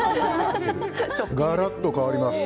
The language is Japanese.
ガラッと変わります。